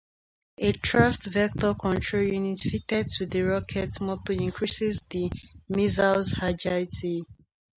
A thrust vector control unit fitted to the rocket motor increases the missile's agility.